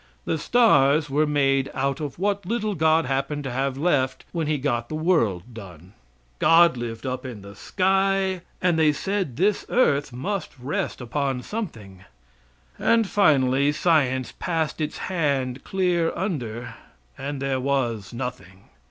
The stars were made out of what little God happened to have left when He got the world done. God lived up in the sky, and they said this earth must rest upon something, and finally science passed its hand clear under, and there was nothing.